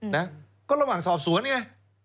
นะก็ระหว่างสอบสวนไง